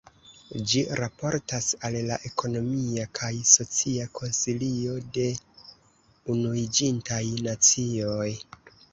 Ĝi raportas al la Ekonomia kaj Socia Konsilio de Unuiĝintaj Nacioj.